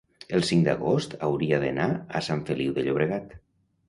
el cinc d'agost hauria d'anar a Sant Feliu de Llobregat.